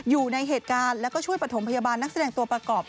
อยู่ในเหตุการณ์แล้วก็ช่วยประถมพยาบาลนักแสดงตัวประกอบ